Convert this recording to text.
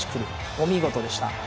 お見事でした。